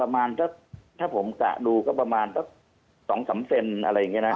ถ้าผมกะดูก็ประมาณสัก๒๓เซนอะไรอย่างนี้นะ